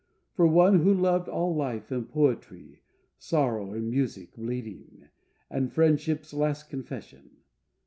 For one who loved all life and poetry, Sorrow in music bleeding, And friendship's last confession.